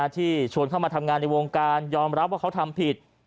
ที่ชวนเข้ามาทำงานในวงการยอมรับว่าเขาทำผิด